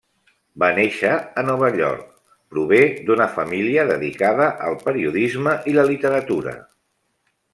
Va néixer a Nova York, prové d'una família dedicada al periodisme i la literatura.